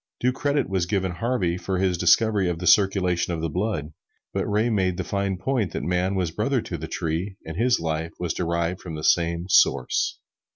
Due credit was given Harvey for his discovery of the circulation of the blood; but Ray made the fine point that man was brother to the tree, and his life was derived from the same Source.